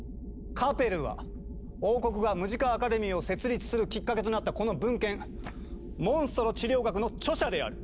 カペルは王国がムジカ・アカデミーを設立するきっかけとなったこの文献「モンストロ治療学」の著者である！